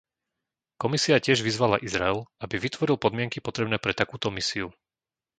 Komisia tiež vyzvala Izrael, aby vytvoril podmienky potrebné pre takúto misiu.